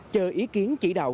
chờ ý kiến chỉ đạo